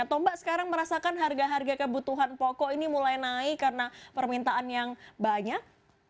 atau mbak sekarang merasakan harga harga kebutuhan pokok ini mulai naik karena permintaan yang banyak